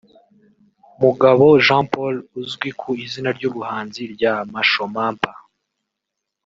Mugabo Jean Paul uzwi ku izina ry’ubuhanzi rya Masho Mampa